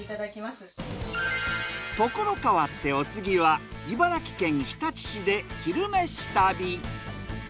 ところ変わってお次は茨城県日立市で昼めし旅。